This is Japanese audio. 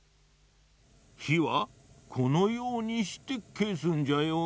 ひはこのようにしてけすんじゃよ。